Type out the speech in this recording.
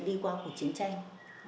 đi qua cuộc chiến tranh